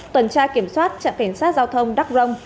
tuần tra kiểm soát trạm cảnh sát giao thông đắc rông